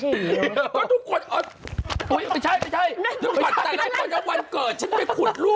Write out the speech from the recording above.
ฉันอาหาร